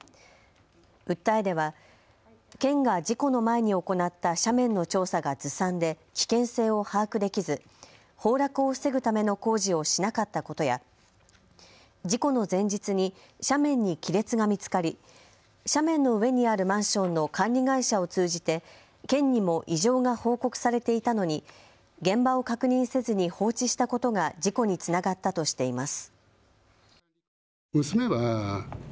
訴えでは県が事故の前に行った斜面の調査がずさんで危険性を把握できず崩落を防ぐための工事をしなかったことや事故の前日に斜面に亀裂が見つかり斜面の上にあるマンションの管理会社を通じて県にも異常が報告されていたのに現場を確認せずに放置したことが事故につながったとしています。